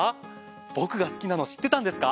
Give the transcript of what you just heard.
僕が好きなの知ってたんですか？